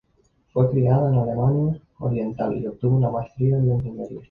Fue criada en Alemania Oriental y obtuvo una maestría en la Ingeniería.